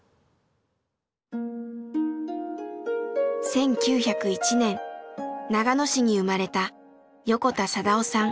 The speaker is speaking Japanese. １９０１年長野市に生まれた横田貞雄さん。